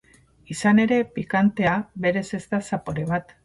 Izan ere, pikantea, berez ez da zapore bat.